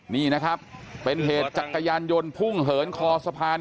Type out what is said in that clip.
นี่นะครับเป็นเหตุจักรยานยนต์พุ่งเหินคอสะพาน